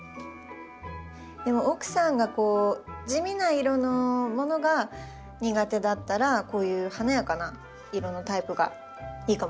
でも奥さんが地味な色のものが苦手だったらこういう華やかな色のタイプがいいかもしれないですね。